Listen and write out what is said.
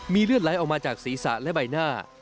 เลือดไหลออกมาจากศีรษะและใบหน้า